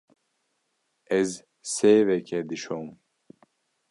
Ez sêvekê dişom.